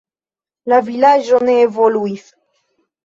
La vilaĝo ne evoluis.